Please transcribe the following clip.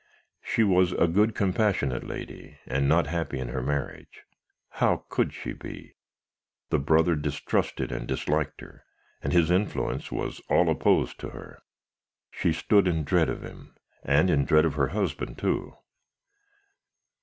She was a good, compassionate lady, and not happy in her marriage. How could she be! The brother distrusted and disliked her, and his influence was all opposed to her; she stood in dread of him, and in dread of her husband too.